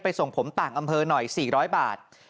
ส่งผมต่างอำเภอหน่อย๔๐๐บาท